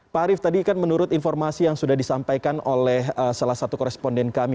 pak arief tadi kan menurut informasi yang sudah disampaikan oleh salah satu koresponden kami